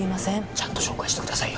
ちゃんと紹介してくださいよ